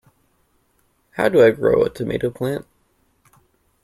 How do I grow a tomato plant?